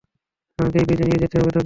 আমাকে এই ব্রীজে নিয়ে যেতে হবে তোকে।